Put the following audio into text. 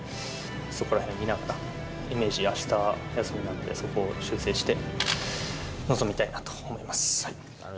そこらへん見ながら、イメージはあした休みなので、そこを修正して、臨みたいなと思います。